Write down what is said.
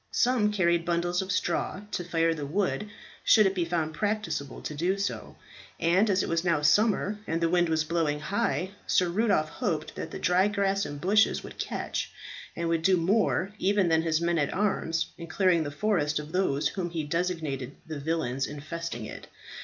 Some carried bundles of straw, to fire the wood should it be found practicable to do so; and as it was now summer and the wind was blowing high, Sir Rudolph hoped that the dry grass and bushes would catch, and would do more even than his men at arms in clearing the forest of those whom he designated the villains infesting it.